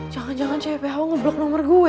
jangan jangan cewek epho ngeblok nomer gue